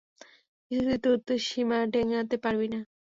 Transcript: কিছুতেই তুই তোর সীমা ডিংগাতে পারবি না।